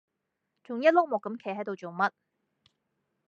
仲一碌木咁企係度做乜